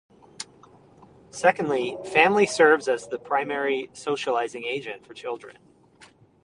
Secondly, family serves as the primary socializing agent for children.